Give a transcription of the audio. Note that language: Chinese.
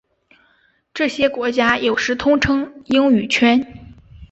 这些国家有时统称英语圈。